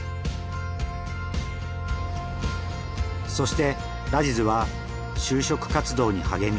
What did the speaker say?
そしてラジズは就職活動に励み